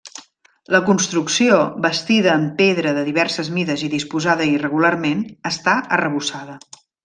La construcció, bastida en pedra de diverses mides i disposada irregularment, està arrebossada.